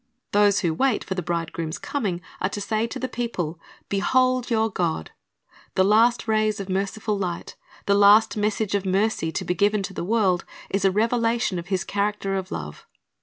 "^ Those who wait for the Bridegroom's coming are to say to the people, "Behold your God." The last rays of merciful light, the last message of mercy to be given to the world, is a revelation of His character of love.